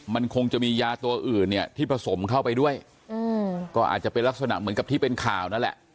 มันคงจะมียาตัวอื่นเนี่ยที่ผสมเข้าไปด้วยก็อาจจะเป็นลักษณะเหมือนกับที่เป็นข่าวนั่นแหละ